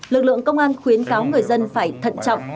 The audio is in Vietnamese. lực lượng công an khuyến kháo người dân phải thân trọng